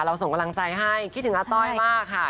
ส่งกำลังใจให้คิดถึงอาต้อยมากค่ะ